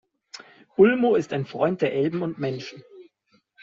Ulmo ist ein Freund der Elben und Menschen.